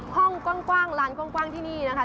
ห้องกว้างร้านกว้างที่นี่นะคะ